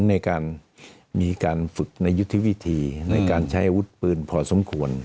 ในการมีการฝึกในยุทธวิธีในการใช้อาวุธปืนพอสมควร